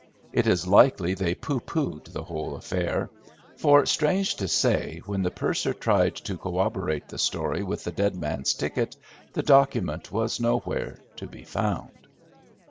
It is likely they pooh poohed the whole affair, for, strange to say, when the purser tried to corroborate the story with the dead man's ticket the document was nowhere to be found.